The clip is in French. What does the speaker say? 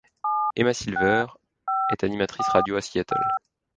Emma Silver est animatrice radio à Seattle.